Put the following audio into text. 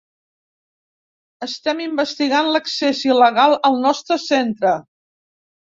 Estem investigant l’accés il·legal al nostre centre.